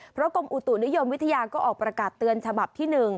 เพราะกรมอุตุนิยมวิทยาก็ออกประกาศเตือนฉบับที่๑